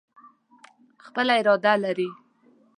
خپله اراده لري.